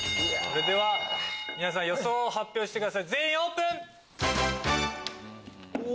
皆さん予想を発表してください全員オープン！